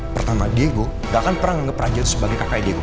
pertama diego gak akan pernah nangkep raja itu sebagai kakai diego